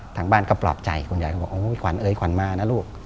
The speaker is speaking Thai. ทางบ้านก็ปลอบใจคุณยายก็บอกโอ้ยขวัญเอ้ยขวัญมานะลูก